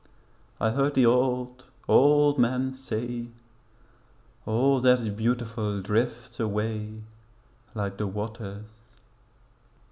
I heard the old, old men say 'All that's beautiful drifts away Like the waters.'